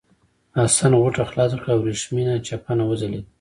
حسن غوټه خلاصه کړه او ورېښمین چپنه وځلېده.